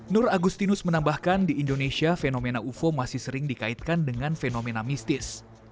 nur agustinus menambahkan di indonesia fenomena ufo masih sering dikaitkan dengan fenomena mistis